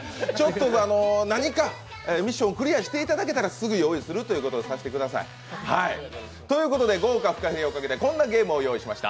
何かミッションをクリアしていただいたらすぐ用意するということにさせてください。ということで豪華ふかひれをかけてこんなゲームをご用意しました。